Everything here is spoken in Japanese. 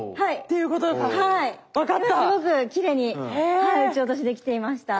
今すごくきれいに打ち落としできていました。